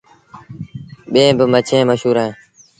ٻيٚن با مڇيٚن مشهور اهيݩ ۔